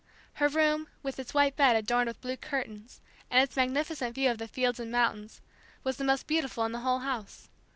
Her room, with its white bed adorned with blue curtains and its magnificent view of the fields and mountains, was the most beautiful in the whole house.